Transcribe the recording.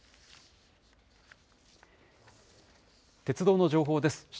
鉄道の情報です。